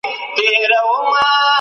د کمیسیون پريکړي عمومي غونډي ته څنګه ځي؟